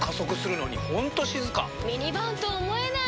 ミニバンと思えない！